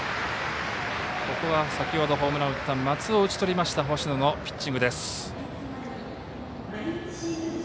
ここは先ほどホームランを打った松尾を打ち取りました星野のピッチングです。